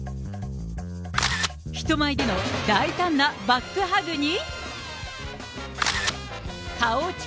人前での大胆なバックハグに。